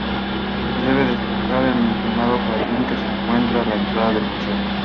Se debe destacar el mencionado jardín, que se encuentra a la entrada del museo.